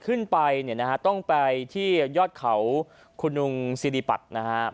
ขึ้นไปเนี่ยนะฮะต้องไปที่ยอดเขาคุณลุงสิริปัตย์นะฮะ